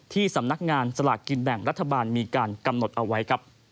สำนักงานสลากกินแบ่งรัฐบาลมีการกำหนดเอาไว้ครับ